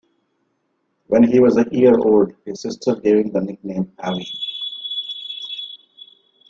When he was a year old, his sister gave him the nickname Avi.